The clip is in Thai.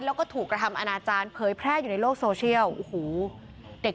แล้วก็ถูกกระทำอนาจารย์เผยแพร่อยู่ในโลกโซเชียลโอ้โหเด็ก